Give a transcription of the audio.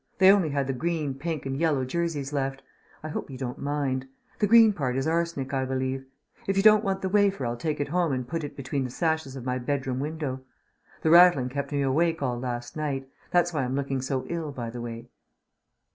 They only had the green, pink, and yellow jerseys left; I hope you don't mind. The green part is arsenic, I believe. If you don't want the wafer I'll take it home and put it between the sashes of my bedroom window. The rattling kept me awake all last night. That's why I'm looking so ill, by the way."